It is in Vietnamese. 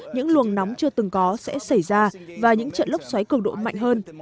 những luồng nóng chưa từng có sẽ xảy ra và những trận lốc xoáy cường độ mạnh hơn